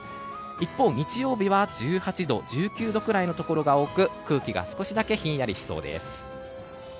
一方、日曜日は１８度、１９度ぐらいのところが多く空気が少しだけひんやりしそうです。